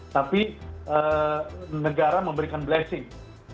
tapi negara memberikan blessing